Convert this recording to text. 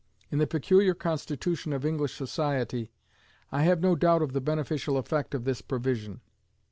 In the peculiar constitution of English society, I have no doubt of the beneficial effect of this provision.